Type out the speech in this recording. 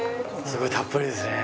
すごいたっぷりですね。